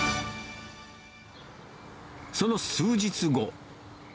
その数日後。